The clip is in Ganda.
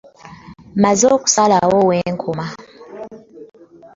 Mmaze okusalawo we nkoma.